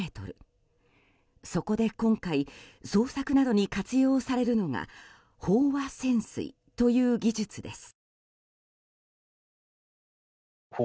そこで今回捜索などに活用されるのが飽和潜水という技術です。